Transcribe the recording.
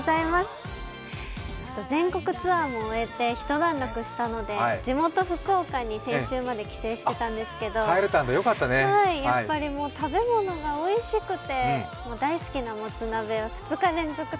全国ツアーも終えて一段落したので地元・福岡に先週まで帰省していたんですけど、やっぱり食べ物がおいしくて、大好きなもつ鍋をもつ鍋を２日連続で？